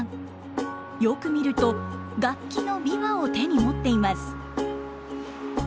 よく見ると楽器の琵琶を手に持っています。